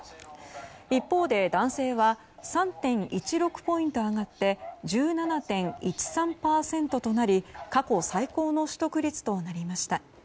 一方で、男性は３．１６ポイント上がって１７．１３％となり過去最高の取得率となりました。